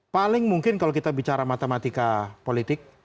paling mungkin kalau kita bicara matematika politik